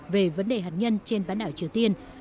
về vấn đề hạt nhân trên bán đảo triều tiên